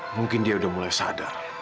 mungkin dia udah mulai sadar